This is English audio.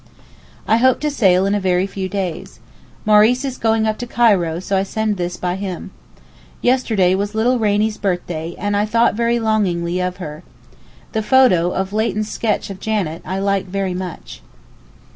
I hope to sail in a very few days, Maurice is going up to Cairo so I send this by him. Yesterday was little Rainie's birthday, and I thought very longingly of her. The photo, of Leighton's sketch of Janet I like very much.